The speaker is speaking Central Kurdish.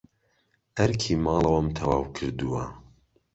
ئەرکی ماڵەوەم تەواو کردووە.